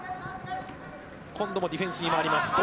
今度もディフェンスに回ります。